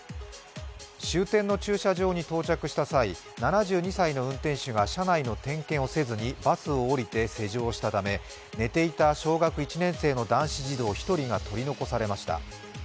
終点の駐車場に到着した際７２歳の運転手が車内の点検をせずにバスを降りて施錠したため寝ていた小学１年生の男子児童１人が取り残されました。